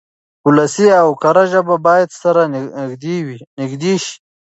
ولسي او کره ژبه بايد سره نږدې شي.